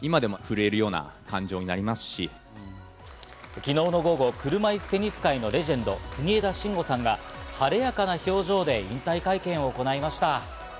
昨日の午後、車いすテニス界のレジェンド・国枝慎吾さんが晴れやかな表情で引退会見を行いました。